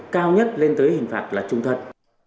cao nhất lên tới hình phạt là trung thật